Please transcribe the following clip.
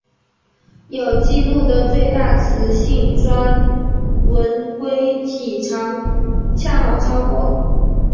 有纪录的最大雌性钻纹龟体长恰好超过。